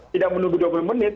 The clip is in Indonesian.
tidak menunggu dua puluh menit